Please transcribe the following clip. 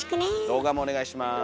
動画もお願いします。